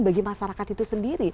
bagi masyarakat itu sendiri